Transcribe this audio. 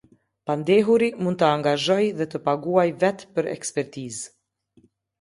Pandehuri mund angazhojë dhe të paguajë vetë për ekspertizë.